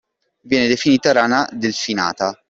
Viene definita “rana delfinata”